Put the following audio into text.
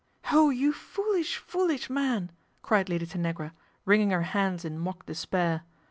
" Oh, you foolish, foolish man !" cried Lady Tanagra, wringing her hands in mock despair.